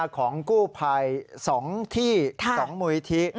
ของกู้ภัย๒ที่๒มูลิธิ